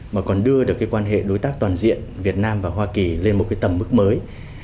mà còn đưa được cái quan hệ đối tác toàn diện việt nam và hoa kỳ lên một cái tầm mức mới